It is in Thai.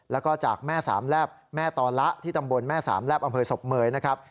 แล้วก็จากแม่สามแลบแม่ตอละที่ตำบลแม่สามแลบอำเภอศพเมยนะครับ